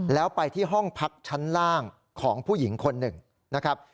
แล้วไปที่ห้องพักชั้นล่างของผู้หญิงคนหนึ่งนะครับ